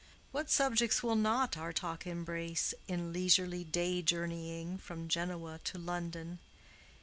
What subjects will not our talk embrace in leisurely day journeying from Genoa to London?